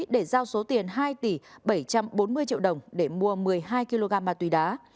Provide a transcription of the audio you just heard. để giao số tiền hai tỷ bảy trăm bốn mươi triệu đồng để mua một mươi hai kg ma túy đá